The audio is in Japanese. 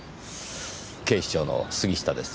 警視庁の杉下です。